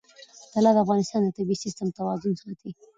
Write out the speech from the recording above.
طلا د افغانستان د طبعي سیسټم توازن ساتي.